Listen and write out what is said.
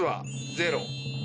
ゼロ。